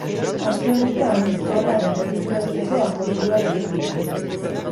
Aste honetan zorra berregituratzeko akordioa lortu dute.